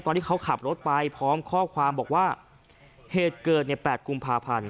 ที่เขาขับรถไปพร้อมข้อความบอกว่าเหตุเกิดใน๘กุมภาพันธ์